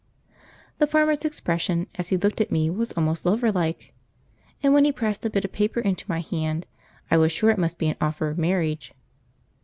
The farmer's expression as he looked at me was almost lover like, and when he pressed a bit of paper into my hand I was sure it must be an offer of marriage.